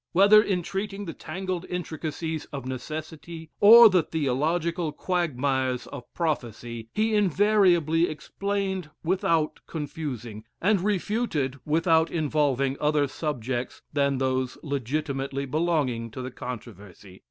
Whether in treating the tangled intricacies of necessity, or the theological quagmires of prophecy, he invariably explained without confusing, and refuted without involving other subjects than those legitimately belonging to the controversy.